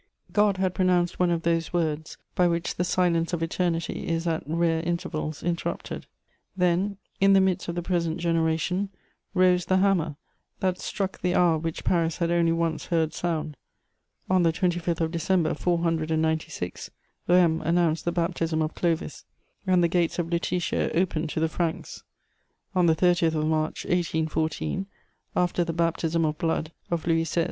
God had pronounced one of those words by which the silence of eternity is at rare intervals interrupted. Then, in the midst of the present generation, rose the hammer that struck the hour which Paris had only once heard sound: on the 25th of December 496, Rheims announced the baptism of Clovis, and the gates of Lutetia opened to the Franks; on the 30th of March 1814, after the baptism of blood of Louis XVI.